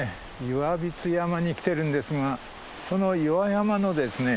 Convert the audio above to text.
岩櫃山に来てるんですがその岩山のですね